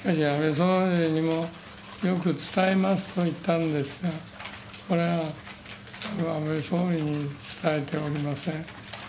しかし、安倍総理にもよく伝えますと言ったんですが、これは安倍総理に伝えておりません。